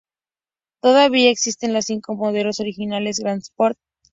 Todavía existen los cinco modelos originales Grand Sport.